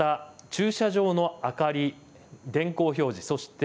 駐車場の明かり、電光表示、そして